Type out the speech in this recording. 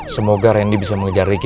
semoga randy bisa mengejar ricky